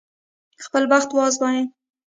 خپل بخت وازمايي.